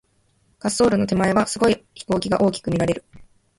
滑走路の手前は、すごい飛行機が大きく見られる。